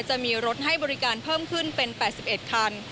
จะมีรถให้บริการเพิ่มขึ้นเป็น๘๑คัน